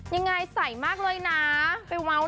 ยังไงใสมากเลยนะไปเว้า